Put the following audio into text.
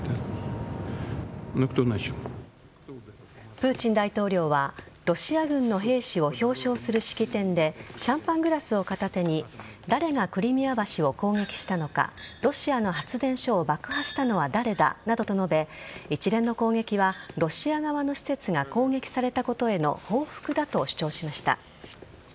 プーチン大統領はロシア軍の兵士を表彰する式典でシャンパングラスを片手に誰がクリミア橋を攻撃したのかロシアの発電所を爆破したのは誰だなどと述べ一連の攻撃は、ロシア側の施設が攻撃されたことへの報復だと主張しました。